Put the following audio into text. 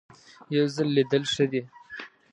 یو ځل لیدل ښه دي .